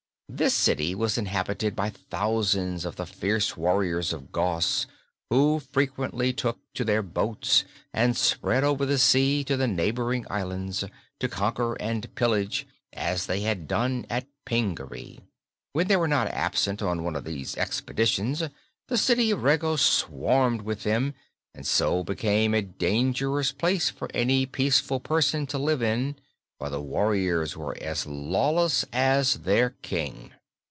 This city was inhabited by thousands of the fierce warriors of Gos, who frequently took to their boats and spread over the sea to the neighboring islands to conquer and pillage, as they had done at Pingaree. When they were not absent on one of these expeditions, the City of Regos swarmed with them and so became a dangerous place for any peaceful person to live in, for the warriors were as lawless as their King.